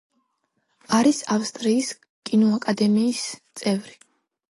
არის ავსტრიის კინოაკადემიის წევრი.